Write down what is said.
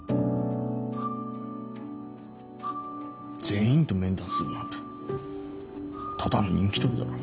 全員と面談するなんてただの人気取りだろ。